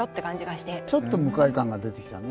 ちょっと向井感が出てきたね。